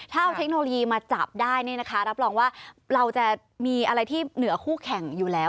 ถ้าเอาเทคโนโลยีมาจับได้รับรองว่าเราจะมีอะไรที่เหนือคู่แข่งอยู่แล้ว